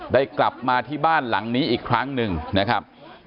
ได้กลับมาที่บ้านหลังนี้อีกครั้งหนึ่งนะครับ